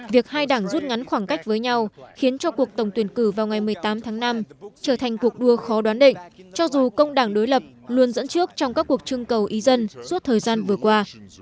việc hai đảng rút ngắn khoảng cách với nhau khiến cho cuộc tổng tuyển cử vào ngày một mươi tám tháng năm trở thành cuộc đua khó đoán định cho dù công đảng đối lập luôn dẫn trước trong các cuộc trưng cầu ý dân suốt thời gian vừa qua